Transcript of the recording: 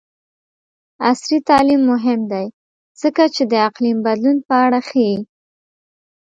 عصري تعلیم مهم دی ځکه چې د اقلیم بدلون په اړه ښيي.